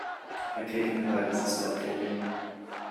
A kick in the butt is a step forward.